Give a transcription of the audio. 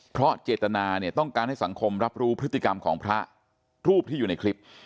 เพราะเจตนาเนี่ยต้องการให้สังคมรับรู้พฤติกรรมของพระรูปที่อยู่ในคลิป